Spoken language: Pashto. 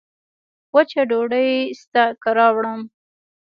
وچه ډوډۍ سته که راوړم